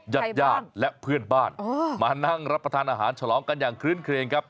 ญาติญาติและเพื่อนบ้านมานั่งรับประทานอาหารฉลองกันอย่างคลื้นเครงครับ